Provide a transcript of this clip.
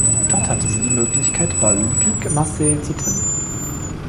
Dort hatte sie die Möglichkeit, bei Olympique Marseille zu trainieren.